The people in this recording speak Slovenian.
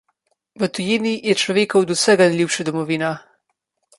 V tujini je človeku od vsega najljubša domovina.